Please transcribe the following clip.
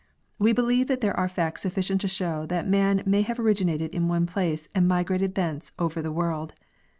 We believe that there are facts sufficient to show that man may have originated in one place and migrated thence over the world.